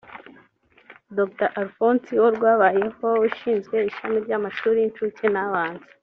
Dr Alphonse Uworwabayeho ushinzwe ishami ry’amashuri y’incuke n’abanza